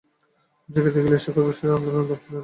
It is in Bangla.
মঞ্জরীকে দেখিলে শেখর বিশেষ আনন্দলাভ করিতেন।